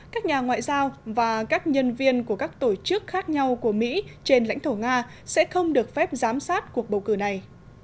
các nhà ngoại giao và các nhân viên của các tổ chức khác nhau của mỹ trên lãnh thổ nga sẽ không được phép giám sát cuộc bầu cử này